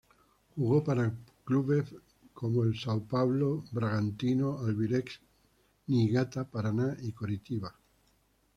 Jugó para clubes como el São Paulo, Bragantino, Albirex Niigata, Paraná y Coritiba.